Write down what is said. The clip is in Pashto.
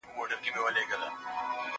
زه به سبا ليکنې کوم!